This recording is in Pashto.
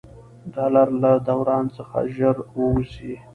ډالر له دوران څخه ژر ووځي.